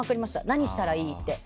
何したらいい？って。